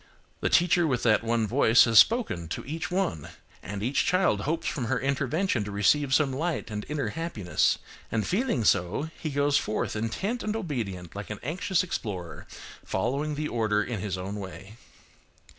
The teacher with that one voice has spoken to each one; and each child hopes from her intervention to receive some light and inner happiness. And feeling so, he goes forth intent and obedient like an anxious explorer, following the order in his own way.